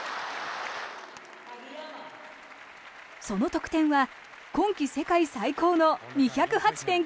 その得点は今季世界最高の２０８．９４。